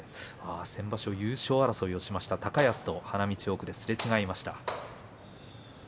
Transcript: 先場所優勝争いをした高安と花道奥ですれ違いました。